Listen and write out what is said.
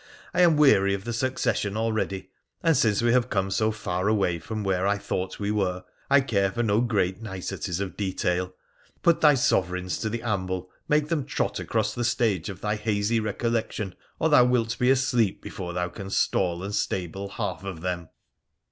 I am weary of the succession already, and since we have come so far away from where I thought we were I care for no great niceties of detail. Put thy Sovereigns to the amble, make them trot across the stage of thy hazy recollection, or thou wilt be asleep before thou canst stall and stable half of them.'